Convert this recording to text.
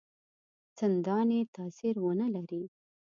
څنداني تاثیر ونه لري.